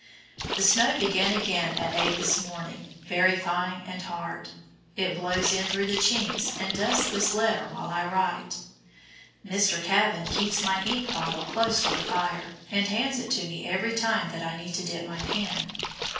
The snow began again at eight this morning, very fine and hard. It blows in through the chinks and dusts this letter while I write. Mr. Kavan keeps my ink bottle close to the fire, and hands it to me every time that I need to dip my pen.